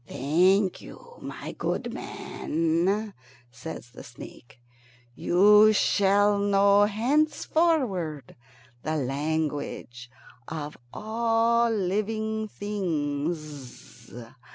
"Thank you, my good man," says the snake; "you shall know henceforward the language of all living things.